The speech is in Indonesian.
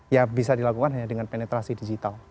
ya bisa dilakukan hanya dengan penetrasi digital